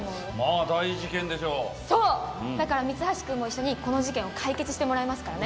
まあ、そう、だから三橋君も一緒にこの事件を解決してもらいますからね。